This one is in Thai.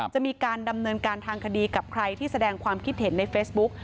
จะมีการดำเนินการทางคดีกับใครที่แสดงความคิดเห็นในเฟซบุ๊ก